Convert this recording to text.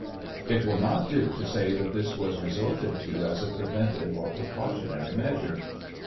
It will not do to say that this was resorted to as a preventive or precautionary measure.